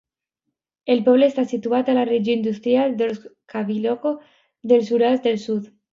El poble està situat a la regió industrial d'Orsk-Khalilovo, dels Urals del sud.